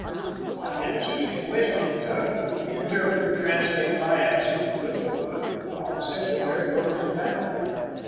I answered each question in turn, the interpreter translating my answers word for word, while the secretary wrote them down.